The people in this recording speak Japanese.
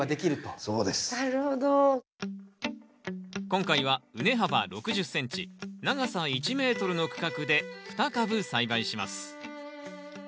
今回は畝幅６０ｃｍ長さ１ｍの区画で２株栽培します。